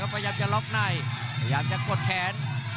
พยาบจะกดแขน